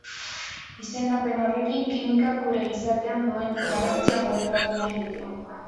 Izendapen horrekin, kimikak gure gizartean duen garrantzia goraipatu nahi dute.